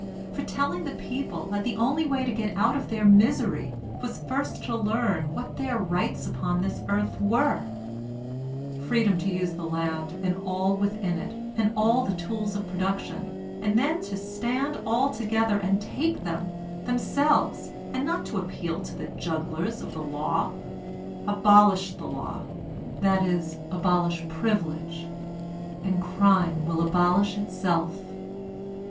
For telling the people that the only way to get out of their misery was first to learn what their rights upon this earth were ;— freedom to use the land and all within it and all the tools of production — and then to stand all together and take them, themselves, and not to appeal to the jugglers of the law. Abolish the law — ^that is abolish privilege^ — ^and crime will abolish itself.